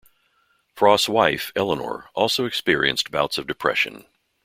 Frost's wife, Elinor, also experienced bouts of depression.